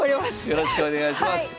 よろしくお願いします！